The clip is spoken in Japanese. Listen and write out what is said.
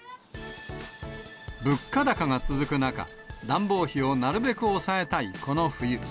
物価高が続く中、暖房費をなるべく抑えたい、この冬。